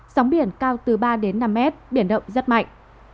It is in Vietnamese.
sóng biển cao từ ba đến năm mét biển động rất mạnh